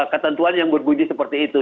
ketentuan yang berbunyi seperti itu